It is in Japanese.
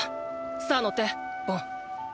さぁ乗ってボン。